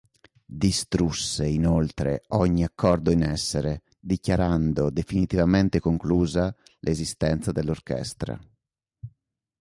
Distrusse inoltre ogni accordo in essere dichiarando definitivamente conclusa l'esistenza dell'orchestra.